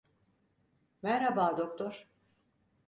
Merhaba doktor.